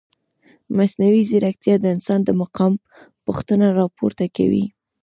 مصنوعي ځیرکتیا د انسان د مقام پوښتنه راپورته کوي.